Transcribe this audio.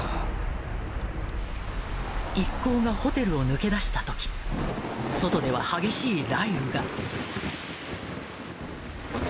一行がホテルを抜け出したとき、外では激しい雷雨が。